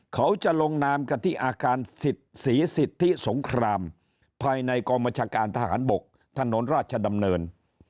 เขาจะลงนามกันที่อาคารศรีสิทธิสงครามภายในกองบัญชาการทหารบกถนนราชดำเนิน